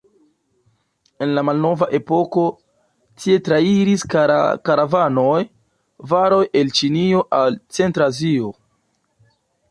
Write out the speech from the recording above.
En la malnova epoko, tie trairis karavanoj, varoj el Ĉinio al Centra Azio.